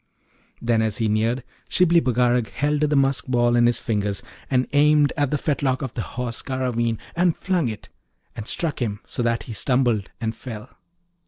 Then, as he neared, Shibli Bagarag held the musk ball in his fingers, and aimed at the fetlock of the Horse Garraveen, and flung it, and struck him so that he stumbled and fell.